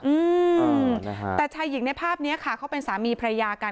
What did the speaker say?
อืมนะฮะแต่ชายหญิงในภาพเนี้ยค่ะเขาเป็นสามีภรรยากัน